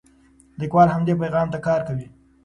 لیکوال همدې پیغام ته کار کوي.